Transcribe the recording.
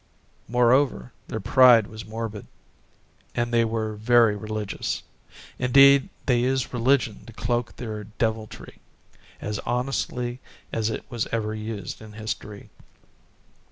Moreover, their pride was morbid, and they were very religious. Indeed, they used religion to cloak their deviltry, as honestly as it was ever used in history.